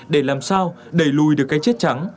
để làm sao đẩy lùi được cái chết trắng